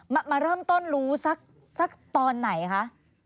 มาเริ่มต้นรู้สักตอนไหนคะ